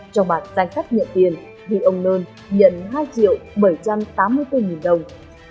trong bản danh khách nhận tiền ông nơn nhận hai triệu bảy trăm tám mươi tư nghìn đồng